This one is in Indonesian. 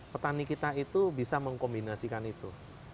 petani kita itu bisa mengkombinasikan itu